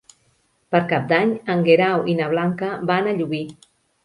Per Cap d'Any en Guerau i na Blanca van a Llubí.